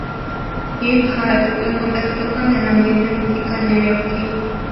Jim Hall lo contactó con el ambiente musical neoyorquino.